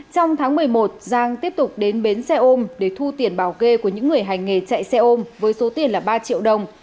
trong tháng một mươi một giang tiếp tục đến bến xe ôm để thu tiền bảo kê của những người hành nghề chạy xe ôm với số tiền là ba triệu đồng